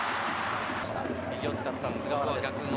右を使った菅原です。